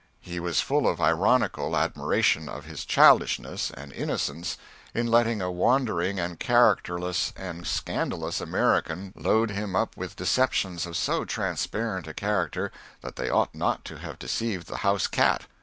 He was full of ironical admiration of his childishness and innocence in letting a wandering and characterless and scandalous American load him up with deceptions of so transparent a character that they ought not to have deceived the house cat.